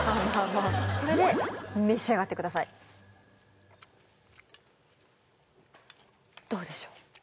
これで召し上がってくださいどうでしょう？